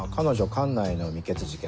管内の未決事件